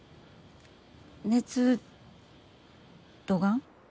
熱どがん？